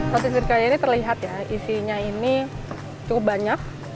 roti sircaya ini terlihat ya isinya ini cukup banyak